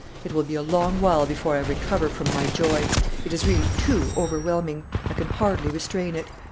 It will be a long while before I recover from my joy; it is really too overwhelming; I can hardly restrain it.